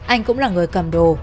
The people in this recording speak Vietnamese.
anh cũng là người cầm đồ